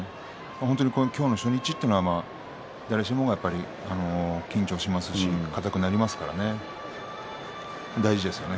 本当に今日の初日というのは誰しもが緊張しますし硬くなりますからね大事ですよね